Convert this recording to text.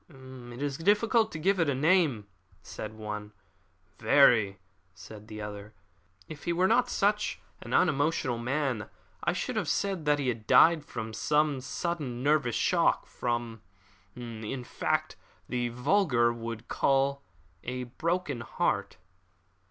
"It is difficult to give it a name," said one. "Very," said the other. "If he were not such an unemotional man, I should have said that he had died from some sudden nervous shock from, in fact, what the vulgar would call a broken heart."